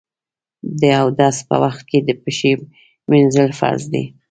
د اودس په وخت کې پښې مینځل فرض دي.